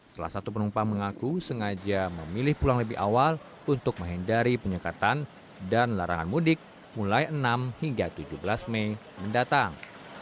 salah satu penumpang mengaku sengaja memilih pulang lebih awal untuk menghindari penyekatan dan larangan mudik mulai enam hingga tujuh belas mei mendatang